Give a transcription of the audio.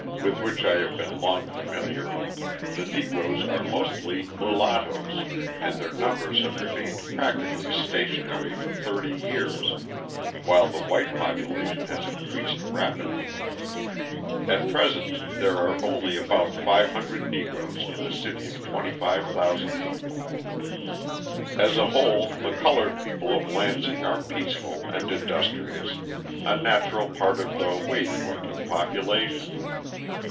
with which I have been long familiar, the Negroes are mostly mulattoes and their numbers have remained practically stationary for thirty years, while the white population has increased rapidly. At present there are only about 500 Negroes in a city of 25,000 people. As a whole the coloured people of Lansing are peaceful and industrious, a natural part of the wage working population.